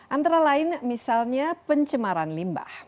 antara lain misalnya pencemaran limbah